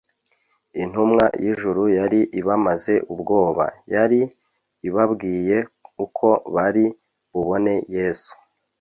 Intumwa y'ijuru yari ibamaze ubwoba. Yari ibabwiye uko bari bubone Yesu